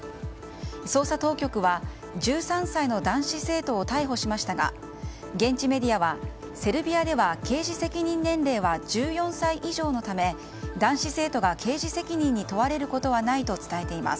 捜査当局は１３歳の男子生徒を逮捕しましたが現地メディアはセルビアでは刑事責任年齢は１４歳以上のため、男子生徒が刑事責任に問われることはないと伝えています。